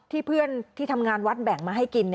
เพื่อนที่ทำงานวัดแบ่งมาให้กิน